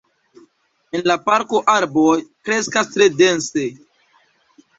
En la parko arboj kreskas tre dense.